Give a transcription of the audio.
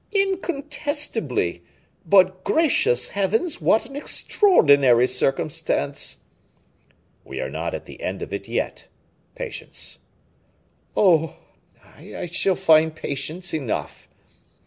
"Incontestably! but, gracious heavens, what an extraordinary circumstance!" "We are not at the end of it yet. Patience." "Oh! I shall find 'patience' enough."